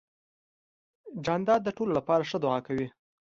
جانداد د ټولو لپاره ښه دعا کوي.